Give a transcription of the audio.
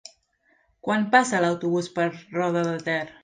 Quan passa l'autobús per Roda de Ter?